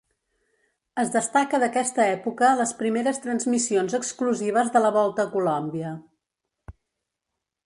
Es destaca d'aquesta època les primeres transmissions exclusives de la Volta a Colòmbia.